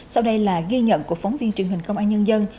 sau đây là ghi nhận của phóng viên truyền hình công an nhân dân